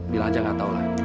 bilang aja gak tau lah